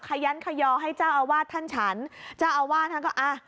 ขยันขยอให้เจ้าอาวาสท่านฉันเจ้าอาวาสท่านก็อ่ะ